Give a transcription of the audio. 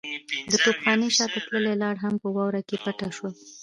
د توپخانې شاته تللې لار هم په واورو کې پټه شوه.